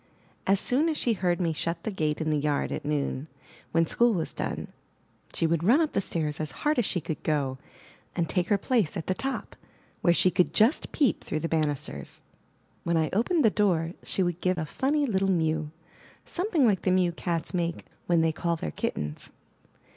As soon as she heard me shut the gate in the yard at noon, when school was done, she would run up the stairs as hard as she could go, and take her place at the top, where she could just peep through the banisters. When 316 I N THE NURSERY I opened the door, she would give a funny little mew, something like the mew cats make when they call their kittens.